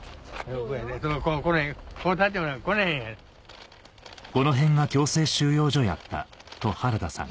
うん。